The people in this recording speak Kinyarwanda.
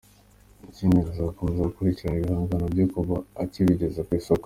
Ikindi ngo azakomeza gukurikirana ibihangano bye kuva akibigeza ku isoko.